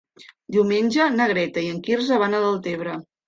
Diumenge na Greta i en Quirze van a Deltebre.